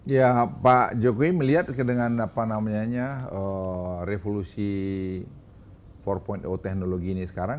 ya pak jokowi melihat dengan apa namanya revolusi empat teknologi ini sekarang